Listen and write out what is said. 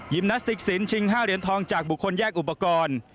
นาสติกสินชิง๕เหรียญทองจากบุคคลแยกอุปกรณ์